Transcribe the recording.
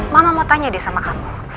mama mau tanya deh sama kamu